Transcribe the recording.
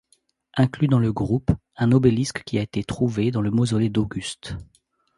Inclus dans le groupe, un obélisque qui a été trouvé dans le Mausolée d'Auguste.